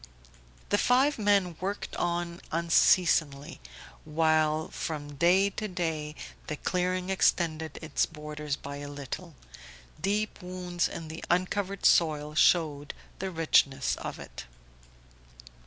The five men worked on unceasingly, while from day to day the clearing extended its borders by a little; deep wounds in the uncovered soil showed the richness of it.